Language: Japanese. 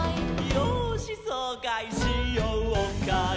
「よーしそうかいしようかい」